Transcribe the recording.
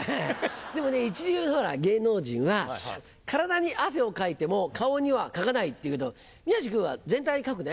でもね一流の芸能人は体に汗をかいても顔にはかかないっていうけど宮治君は全体にかくね。